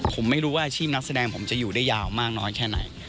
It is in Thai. ผมไม่รู้ว่าอาชีพนักแสดงผมจะอยู่ได้ยาวมากน้อยแค่ไหน